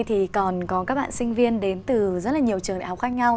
thì còn có các bạn sinh viên đến từ rất là nhiều trường đại học khác nhau